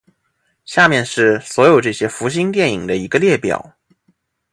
下面是所有这些福星电影的一个列表。